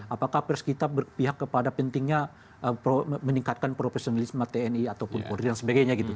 apakah pers kita berpihak kepada pentingnya meningkatkan profesionalisme tni atau pulpur dan sebagainya